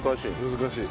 難しい。